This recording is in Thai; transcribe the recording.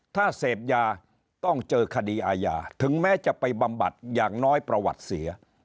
ถ้าเสพยาต้องเจอคดีอาญาถึงแม้จะไปบำบัดอย่างน้อยประวัติเสีย